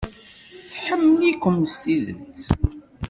Tḥemmel-ikem s tidet.